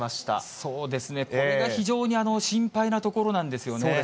そうですね、これが非常に心配なところなんですよね。